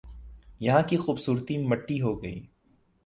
یہاں کی خوبصورتی مٹی ہو گئی